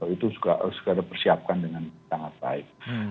itu juga harus disiapkan dengan sangat baik